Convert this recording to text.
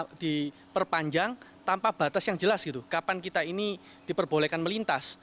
kalau diperpanjang tanpa batas yang jelas gitu kapan kita ini diperbolehkan melintas